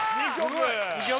２曲！